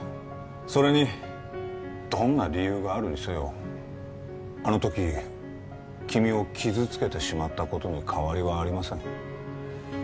それにどんな理由があるにせよあの時君を傷つけてしまったことに変わりはありません